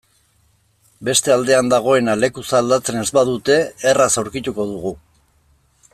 Beste aldean dagoena lekuz aldatzen ez badute erraz aurkituko dugu.